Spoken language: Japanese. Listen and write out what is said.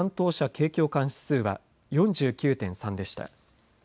景況感指数は４９．３でした。